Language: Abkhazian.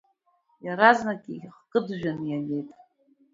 Иаразнак икыджәаны игеит.